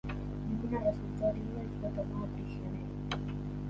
Luna resultó herido y fue tomado prisionero.